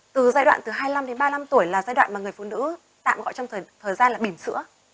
từ giai đoạn từ hai mươi năm đến ba mươi năm tuổi là giai đoạn mà người phụ nữ tạm gọi trong thời gian là bìm sữa